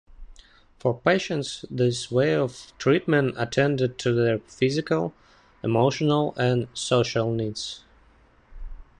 For patients, this way of treatment attended to their physical, emotional, and social needs.